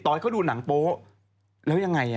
ตอนนี้เขาดูหนังโปส์แล้วยังไง